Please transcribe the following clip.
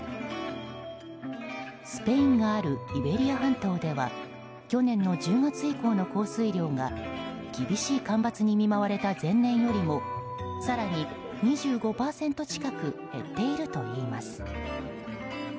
スペインがあるイベリア半島では去年１０月以降の降水量が厳しい干ばつに見舞われた前年よりも更に２５％近く減っているといいます。